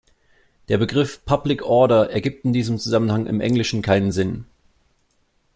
Der Begriff 'public order' ergibt in diesem Zusammenhang im englischen keinen Sinn.